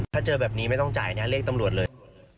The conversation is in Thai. ถ้าเจอแบบนี้ไม่ต้องจ่ายนะเรียกตำรวจเลย